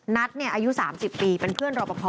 นัทอายุ๓๐ปีเป็นเพื่อนรอปภ